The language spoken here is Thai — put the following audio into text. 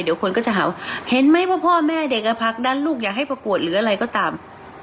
เดี๋ยวคนก็จะเห่าเห็นไหมว่าพ่อแม่เด็กอ่ะผลักดันลูกอยากให้ประกวดหรืออะไรก็ตาม